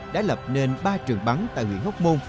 đã lập nên ba trường bắn tại nguyễn hốc môn